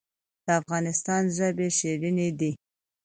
د افغانستان ژبې شیرینې دي